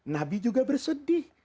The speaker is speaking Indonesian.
nabi juga bersedih